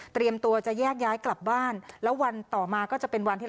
ตัวจะแยกย้ายกลับบ้านแล้ววันต่อมาก็จะเป็นวันที่